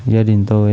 gia đình tôi